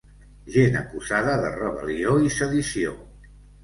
Gent acusada de rebel·lió i sedició.